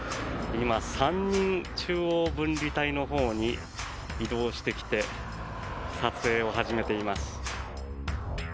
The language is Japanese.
今、３人、中央分離帯のほうに移動してきて撮影を始めています。